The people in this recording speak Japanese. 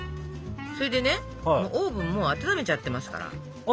それでねオーブンもう温めちゃってますから。